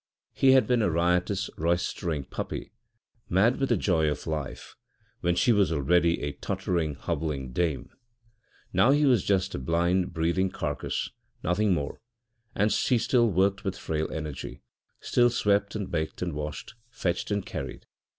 He had been a riotous, roystering puppy, mad with the joy of life, when she was already a tottering, hobbling dame; now he was just a blind, breathing carcase, nothing more, and she still worked with frail energy, still swept and baked and washed, fetched and carried.